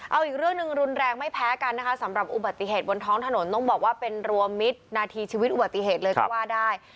เอาอีกเรื่องหนึ่งรุนแรงไม่แพ้กันนะคะสำหรับอุบัติเหตุบนท้องถนนต้องบอกว่าเป็นรวมมิตรนาทีชีวิตอุบัติเหตุเลยก็ว่าได้